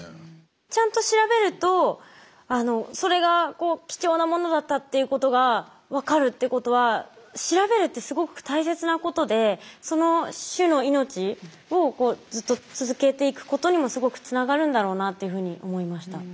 ちゃんと調べるとそれが貴重なものだったっていうことが分かるってことは調べるってすごく大切なことでその種の命をずっと続けていくことにもすごくつながるんだろうなっていうふうに思いました。